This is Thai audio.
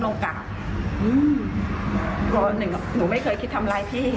หนึ่งหนูไม่เคยคิดทำไรพี่